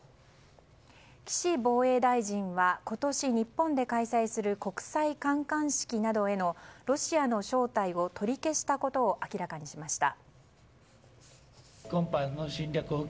岸防衛大臣は今年日本で開催する国際観艦式などへのロシアの招待を取り消したことを明らかにしました。